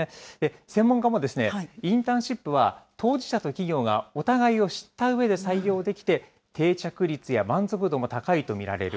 専門家も、インターンシップは、当事者と企業がお互いを知ったうえで採用できて、定着率や満足度も高いと見られる。